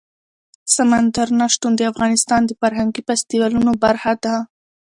سمندر نه شتون د افغانستان د فرهنګي فستیوالونو برخه ده.